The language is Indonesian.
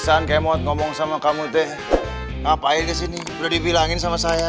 susah pisang kemot ngomong sama kamu teh ngapain kesini udah dibilangin sama saya